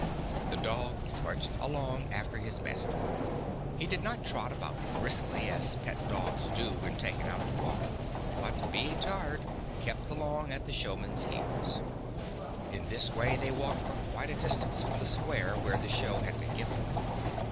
The dog trudged along after his master. He did not trot about briskly, as pet dogs do when taken out to walk, but, being tired, kept along at the showman's heels. 20 WITH THE FRENCH SHOWMAN 111 this way they walked for quite a distance from the square where the show had been given.